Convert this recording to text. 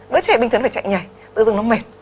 đứa trẻ bình thường phải chạy nhảy tự dưng nó mệt